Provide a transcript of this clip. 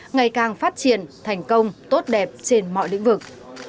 ngày càng phát triển thành công tốt đẹp trên mọi lĩnh vực